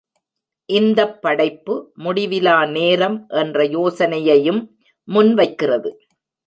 இந்தப் படைப்பு முடிவிலா நேரம் என்ற யோசனையையும் முன்வைக்கிறது.